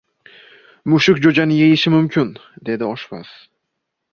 – Mushuk jo‘jani yeyishi mumkin, – dedi oshpaz